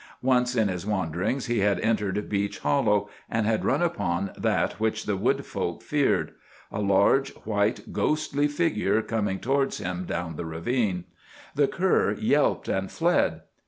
Once in his wanderings he had entered Beech Hollow, and had run upon that which the wood folk feared. A large, white, ghostly figure coming towards him down the ravine. The cur yelped and fled.